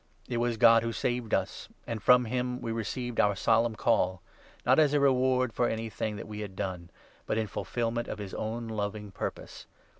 It was God 9 who saved us, and from him we received our solemn Call — not as a reward for anything that we had done, but in fulfil ment of his own loving purpose.